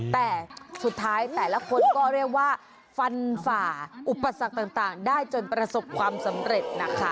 แต่สุดท้ายแต่ละคนก็เรียกว่าฟันฝ่าอุปสรรคต่างได้จนประสบความสำเร็จนะคะ